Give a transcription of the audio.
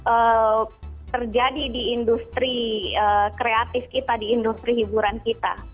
apa terjadi di industri kreatif kita di industri hiburan kita